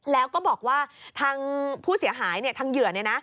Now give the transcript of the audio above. แล้วก็บอกว่าทางผู้เสียหายทางเหยื่อ